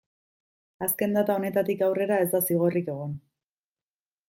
Azken data honetatik aurrera ez da zigorrik egon.